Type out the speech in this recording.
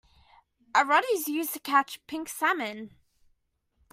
A rod is used to catch pink salmon.